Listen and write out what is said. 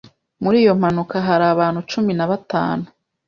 Muri iyo mpanuka hari abantu cumi na batanu.